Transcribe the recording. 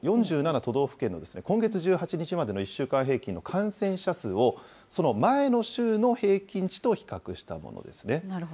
４７都道府県の今月１８日までの１週間平均の感染者数を、その前の週の平均値と比較したものですね。